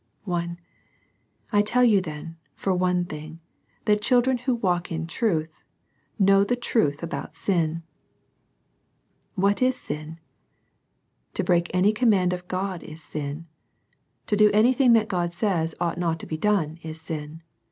I. I tell you then, for one thing, that children who walk in truth, know the truth about sin. What is sin? — ^To break any command of God is sin. — ^To do anything that God says ought not to be done is sin.